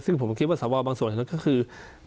ซึ่งผมคิดว่าสวบางส่วนนั้นก็คือ